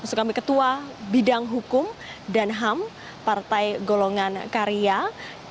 yang merupakan ketua bidang hukum dan ham partai golongan karya setia novanto